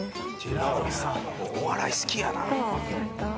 お笑い好きやな。